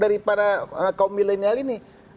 jadi pertanyaan dari para kaum milenial ini